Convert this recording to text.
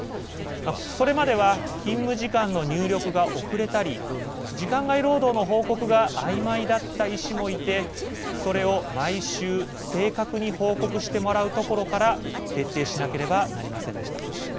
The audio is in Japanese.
それまでは勤務時間の入力が遅れたり時間外労働の報告があいまいだった医師もいてそれを毎週正確に報告してもらうところから徹底しなければなりませんでした。